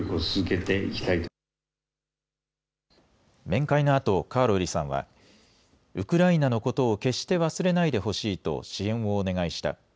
面会のあとカーロリさんはウクライナのことを決して忘れないでほしいと支援をお願いした。